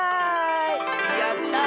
やった！